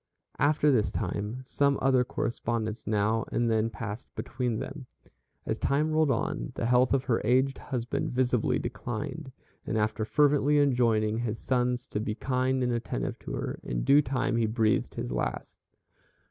After this time some other correspondence now and then passed between them. As time rolled on the health of her aged husband visibly declined; and after fervently enjoining his sons to be kind and attentive to her, in due time he breathed his last.